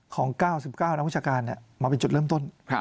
ของ๙๙นักวิชาการมาเป็นจุดเริ่มต้น